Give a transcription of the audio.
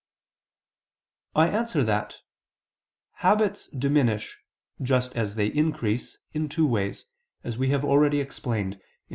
I answer that, Habits diminish, just as they increase, in two ways, as we have already explained (Q.